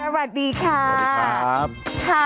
สวัสดีครับ